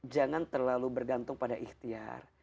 jangan terlalu bergantung pada ikhtiar